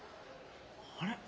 あれ？